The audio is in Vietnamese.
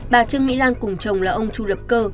bà trương mỹ lan cùng chồng là ông chu lập cơ